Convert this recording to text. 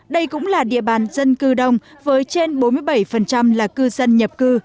đây cũng là địa bàn dân cư đông với trên bốn mươi bảy là cư dân nhập cư